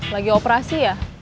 lagi operasi ya